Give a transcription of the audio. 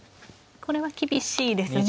これは厳しいですね。